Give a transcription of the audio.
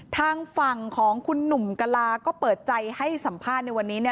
ทางฝั่งของคุณหนุ่มกลาก็เปิดใจให้สัมภาษณ์ในวันนี้